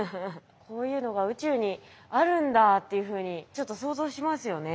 こういうのが宇宙にあるんだっていうふうにちょっと想像しますよね。